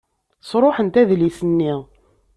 Sṛuḥent adlis-nni.